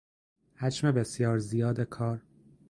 حجم بسیار زیاد کار